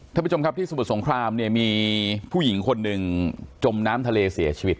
ท่านผู้ชมครับที่สมุทรสงครามเนี่ยมีผู้หญิงคนหนึ่งจมน้ำทะเลเสียชีวิต